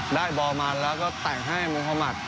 ได้บอลมาแล้วก็แต่งให้มุธมัติ